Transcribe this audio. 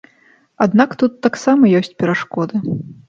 Аднак тут таксама ёсць перашкоды.